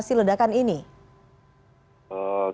untuk mengatasi ledakan ini